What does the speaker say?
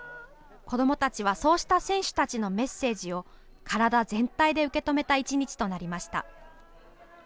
子どもたちは、そうした選手たちのメッセージを体全体で受け止めた１日となりました。